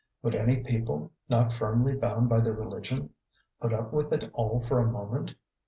Would any people, not firmly bound by their religion, put up with it all for a moment?